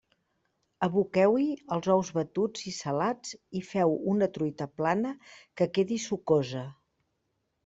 Aboqueu-hi els ous batuts i salats i feu una truita plana que quedi sucosa.